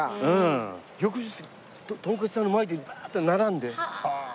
翌日とんかつ屋さんの前にバーッと並んで。